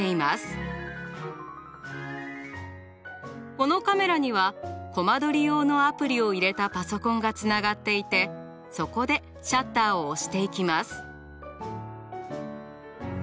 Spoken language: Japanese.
このカメラにはコマ撮り用のアプリを入れたパソコンがつながっていてそこでシャッターを押していきます。